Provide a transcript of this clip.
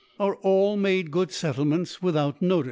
are all made good Settle ifients without Notice.